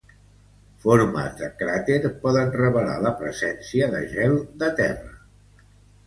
Formes de cràter poden revelar la presència de gel de terra.